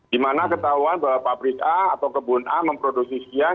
di mana ketahuan bahwa pabrik a atau kebun a memproduksi sekian